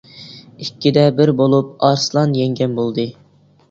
ئىككىدە بىر بولۇپ ئارسلان يەڭگەن بولدى.